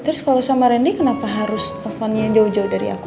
terus kalo sama rendy kenapa harus telfonnya jauh jauh dari aku